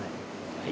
はい。